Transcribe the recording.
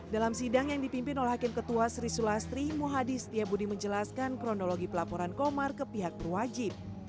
dalam sidang yang dipimpin oleh hakim ketua sri sulastri muhadi setiabudi menjelaskan kronologi pelaporan komar ke pihak berwajib